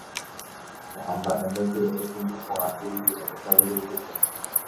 Ko'ã mba'e ndaje oikũmbyporãkuri guyra Jakavere Ypykue